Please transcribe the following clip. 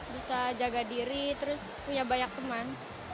bisa jaga diri terus punya banyak teman